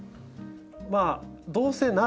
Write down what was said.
まあどうせなら。